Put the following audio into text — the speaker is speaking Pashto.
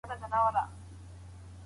خو وروسته باید خپلواک فکر رامنځته سي.